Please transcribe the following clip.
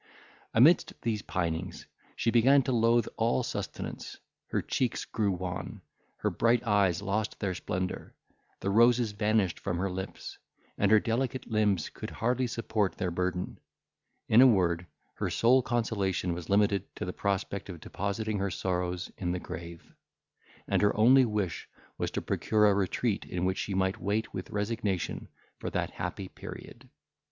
Amidst these pinings, she began to loathe all sustenance; her cheeks grew wan, her bright eyes lost their splendour, the roses vanished from her lips, and her delicate limbs could hardly support their burden; in a word, her sole consolation was limited to the prospect of depositing her sorrows in the grave; and her only wish was to procure a retreat in which she might wait with resignation for that happy period.